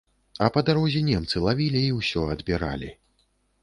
А па дарозе немцы лавілі і ўсё адбіралі.